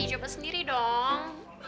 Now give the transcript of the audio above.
ih coba sendiri dong